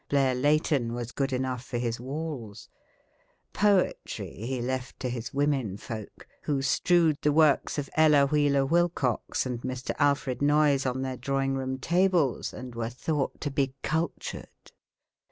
Blair Leigh ton was good enough for his walls, Poetry he left to his women folk, who strewed the works of Ella Wheeler Wilcox and Mr. Alfred Noyes on their draw ing room tables, and were thought to be cultured.